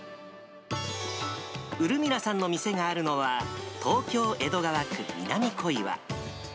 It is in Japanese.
ウルミラさんの店があるのは、東京・江戸川区南小岩。